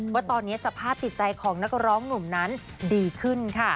ว่าตอนนี้สภาพจิตใจของนักร้องหนุ่มนั้นดีขึ้นค่ะ